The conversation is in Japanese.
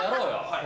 はい。